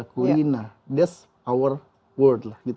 kurina itu adalah dunia kita